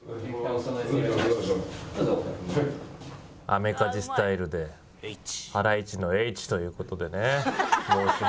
アメカジスタイルでハライチの「Ｈ」という事でね帽子も。